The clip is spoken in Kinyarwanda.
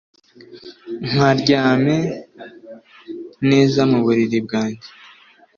nkaryamye neza mu buriri bwanjye